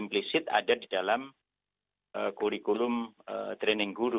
implisit ada di dalam kurikulum training guru